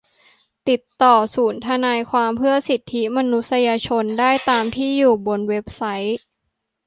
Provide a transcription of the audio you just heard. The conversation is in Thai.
ติดต่อศูนย์ทนายความเพื่อสิทธิมนุษยชนได้ตามที่อยู่บนเว็บไซต์